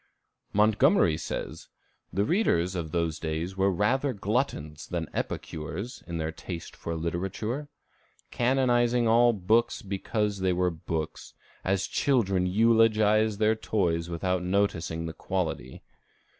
Montgomery says, "The readers of those days were rather gluttons than epicures in their taste for literature," canonizing all books because they were books, as children eulogize their toys without noticing the quality.